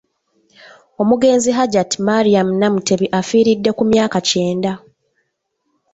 Omugenzi Hajjat Mariam Namutebi afiiridde ku myaka kyenda.